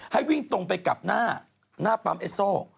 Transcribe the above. ให้วิ่งตรงไปกับหน้าปั๊มเอสโซ